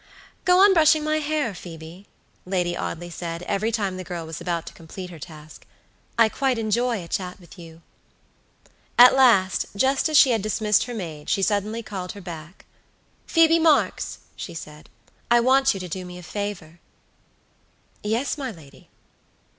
"Go on brushing my hair, Phoebe," Lady Audley said, every time the girl was about to complete her task, "I quite enjoy a chat with you." At last, just as she had dismissed her maid, she suddenly called her back. "Phoebe Marks," she said, "I want you to do me a favor." "Yes, my lady."